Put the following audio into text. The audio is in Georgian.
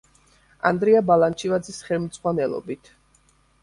ანდრია ბალანჩივაძის ხელმძღვანელობით.